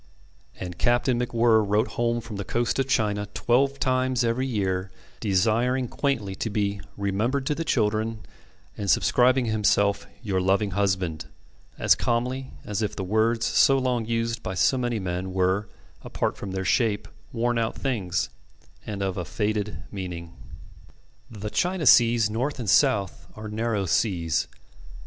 And Captain MacWhirr wrote home from the coast of China twelve times every year, desiring quaintly to be "remembered to the children," and subscribing himself "your loving husband," as calmly as if the words so long used by so many men were, apart from their shape, worn out things, and of a faded meaning. The China seas north and south are narrow seas.